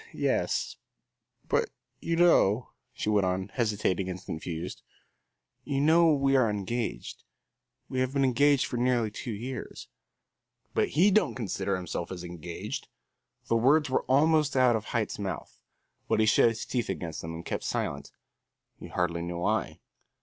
"Yes, but you know," she went on, hesitating and confused, "you know we are engaged. We have been engaged for nearly two years." "But he don't consider himself as engaged!" The words were almost out of Haight's mouth, but he shut his teeth against them and kept silence he hardly knew why.